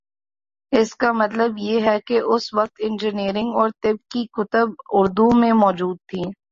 اس کا مطلب یہ ہے کہ اس وقت انجینئرنگ اور طب کی کتب اردو میں مو جود تھیں۔